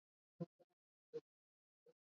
Tāda sajūta, ka es vai nu tikai guļu vai strādāju.